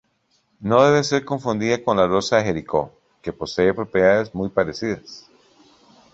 No debe ser confundida con la Rosa de Jericó, que posee propiedades muy parecidas.